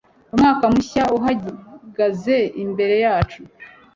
umwaka mushya uhagaze imbere yacu